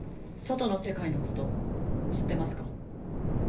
外の世界のこと知ってますか？